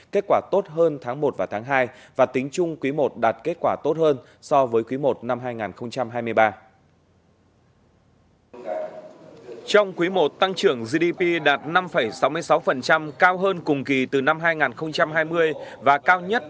kết quả tốt hơn tháng một và tháng hai và tính chung quý i đạt kết quả tốt hơn so với quý i năm hai nghìn hai mươi ba